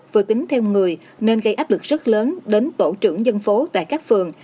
vừa tính theo người nên gây áp lực rất lớn đến tổ trưởng dân phố tại các phường